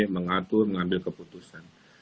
mengatur mengambil keputusan